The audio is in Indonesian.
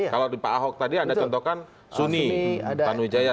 kalau di pak ahok tadi anda contohkan suni tanuwijaya